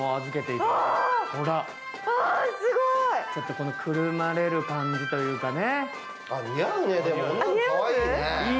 このくるまれる感じというかね。